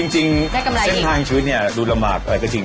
เอาจริงทางชีวิตดูลำบากกันจริง